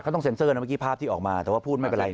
เขาต้องเซ็นเซอร์นะเมื่อกี้ภาพที่ออกมาแต่ว่าพูดไม่เป็นไร